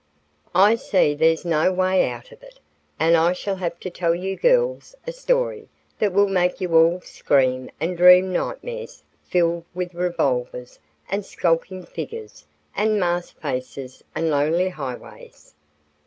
"I see there's no way out of it, and I shall have to tell you girls a story that will make you all scream and dream nightmares filled with revolvers and skulking figures and masked faces and lonely highways."